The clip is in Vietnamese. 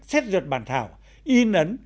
xét dựt bản thảo in ấn